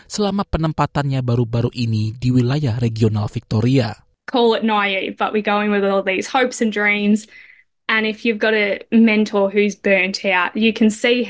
selama penempatannya baru baru ini di wilayah regional victoria